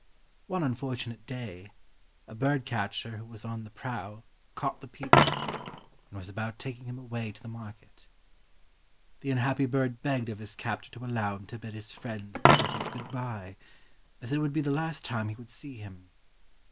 One unfortunate day, a bird catcher who was on the prowl caught the peacock and was about taking him away to the market. The unhappy bird begged of his captor to allow him to bid his friend the tortoise good bye, as it would be the last time he would see him.